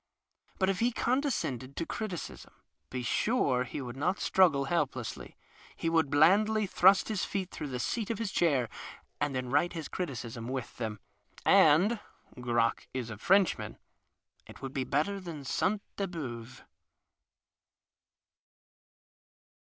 But if he condescended to criticism, be sure he would not struggle helplessly. He would blandly thrust his feet through the seat of his chair, and then write liis criticism with tliem. And (Crock is a Frenchman) it would be better than Sainte Beuve.